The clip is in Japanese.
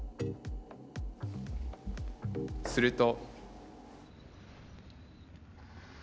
すると。